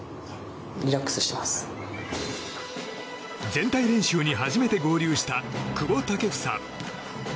全体練習に初めて合流した久保建英。